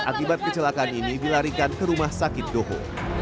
akibat kecelakaan ini dilarikan ke rumah sakit doho